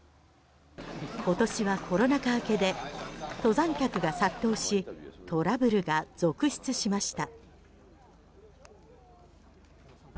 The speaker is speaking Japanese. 今年はコロナ禍明けで登山客が殺到しトラブルが続出しました。